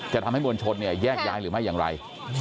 จะทำให้มวลชนเนี่ยแยกย้ายหรือไม่อย่างไร